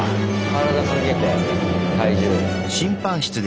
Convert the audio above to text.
体かけて体重。